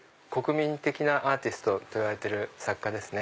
国民的なアーティストといわれてる作家。